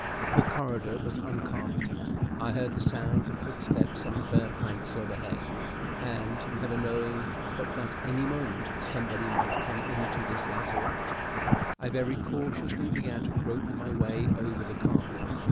The corridor was uncarpeted; I heard the sounds of footsteps on the bare planks overhead, and, never knowing but that at any moment somebody might come into this lazarette, I very cautiously began to grope my way over the cargo.